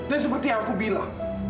dan seperti yang aku bilang